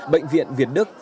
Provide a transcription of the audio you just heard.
bệnh viện việt đức